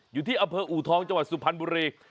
อยู่ที่อำเภออูทองจังหวัดสุพรรณบุรี